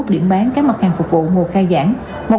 tám trăm tám mươi một điểm bán các mặt hàng phục vụ mùa khai giảng